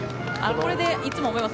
これでいつも思います